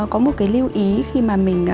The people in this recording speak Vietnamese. có một lưu ý khi mà mình